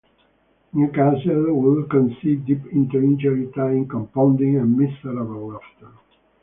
Newcastle would concede deep into injury time, compounding a miserable afternoon.